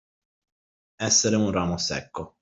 Essere un ramo secco.